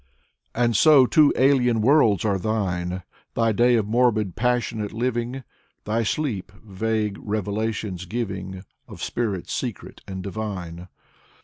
And so two alien worlds are thine: Thy day of morbid passionate living, Thy sleep, vague revelations giving Of spirits secret and divine.